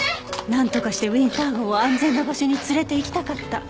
なんとかしてウィンター号を安全な場所に連れていきたかった。